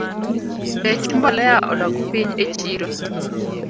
Bech mbolea odok piny echiro